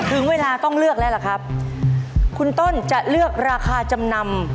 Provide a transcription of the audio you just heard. ถึงเวลาต้องเลือกแล้วล่ะครับคุณต้นจะเลือกราคาจำนำ